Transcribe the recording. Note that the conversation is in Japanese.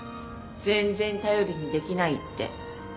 全然頼りにできないって。